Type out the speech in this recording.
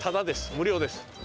無料です。